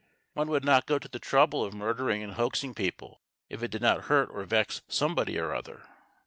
One would not go to the trouble of murdering and hoaxing people if it did not hurt or vex somebody or other.